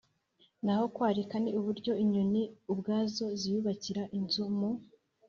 naho kwarika ni uburyo inyoni ubwazo ziyubakira inzu mu